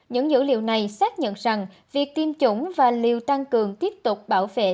những dữ liệu này xác nhận rằng việc tiêm chủng và liều tăng cường tiếp tục bảo vệ